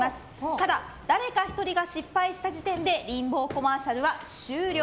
ただ、誰か１人が失敗した時点でリンボーコマーシャルは終了。